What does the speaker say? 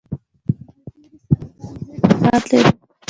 مالټې د سرطان ضد مواد لري.